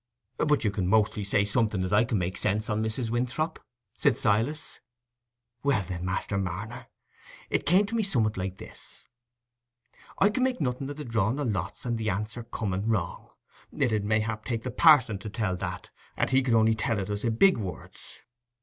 "But you can mostly say something as I can make sense on, Mrs. Winthrop," said Silas. "Well, then, Master Marner, it come to me summat like this: I can make nothing o' the drawing o' lots and the answer coming wrong; it 'ud mayhap take the parson to tell that, and he could only tell us i' big words.